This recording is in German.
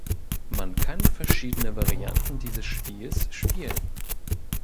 Man kann verschiedene Varianten dieses Spiels spielen.